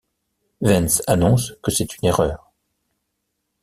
Wens annonce que c’est une erreur.